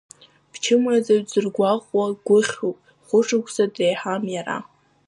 Бчымазаҩ дзыргәаҟуа гәыхьуп, хә-шықәса дреиҳам иара.